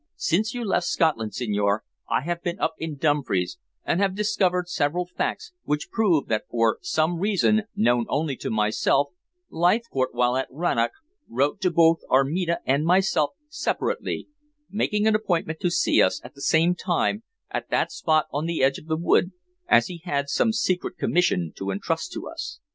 Since you left Scotland, signore, I have been up in Dumfries, and have discovered several facts which prove that for some reason known only to himself, Leithcourt, while at Rannoch, wrote to both Armida and myself separately, making an appointment to see us at the same time at that spot on the edge of the wood, as he had some secret commission to entrust to us.